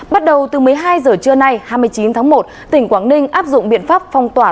bắt đầu từ một mươi hai giờ trưa nay hai mươi chín tháng một tỉnh quảng ninh áp dụng biện pháp phong tỏa